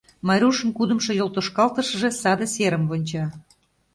Майрушын кудымшо йолтошкалтышыже саде серым вонча.